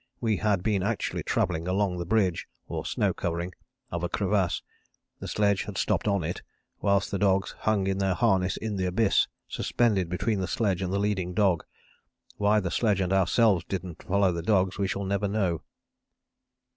We had been actually travelling along the bridge [or snow covering] of a crevasse, the sledge had stopped on it, whilst the dogs hung in their harness in the abyss, suspended between the sledge and the leading dog. Why the sledge and ourselves didn't follow the dogs we shall never know."